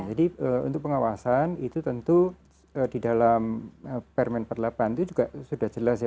jadi untuk pengawasan itu tentu di dalam permen perlepahan itu juga sudah jelas ya